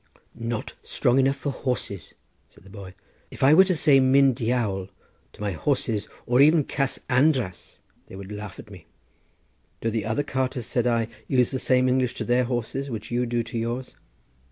"Not strong enough for horses," said the boy; "if I were to say Myn Diawl to my horses, or even Cas András they would laugh at me." "Do the other carters," said I, "use the same English to their horses which you do to yours?"